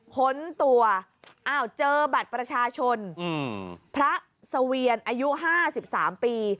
ค้นตัวอ้าวเจอบัตรประชาชนอืมพระเสวียรอายุห้าสิบสามปี